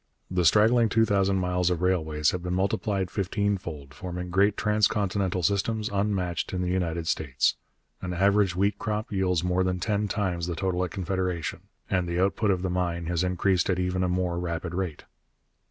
The straggling two thousand miles of railways have been multiplied fifteen fold, forming great transcontinental systems unmatched in the United States. An average wheat crop yields more than ten times the total at Confederation, and the output of the mine has increased at even a more rapid rate.